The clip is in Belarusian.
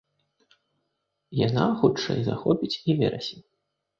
Яна, хутчэй, захопіць і верасень.